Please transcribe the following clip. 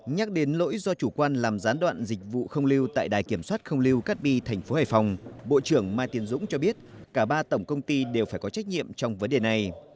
nhắc đến lỗi do chủ quan làm gián đoạn dịch vụ không lưu tại đài kiểm soát không lưu cát bi thành phố hải phòng bộ trưởng mai tiến dũng cho biết cả ba tổng công ty đều phải có trách nhiệm trong vấn đề này